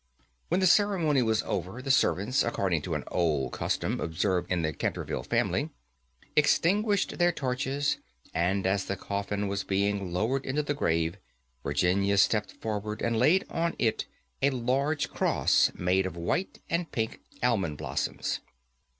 When the ceremony was over, the servants, according to an old custom observed in the Canterville family, extinguished their torches, and, as the coffin was being lowered into the grave, Virginia stepped forward, and laid on it a large cross made of white and pink almond blossoms.